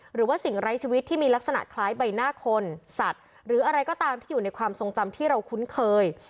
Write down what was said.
หรือว่าสิ่งไร้ชีวิตที่มีลักษณะคล้ายใบหน้าคนสัตว์หรืออะไรก็ตามที่อยู่ในความทรงจำที่เราคุ้นเคย